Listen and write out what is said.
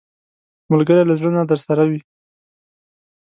ملګری له زړه نه درسره وي